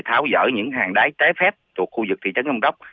tháo dỡ những hàng đáy trái phép thuộc khu vực thị trấn long đốc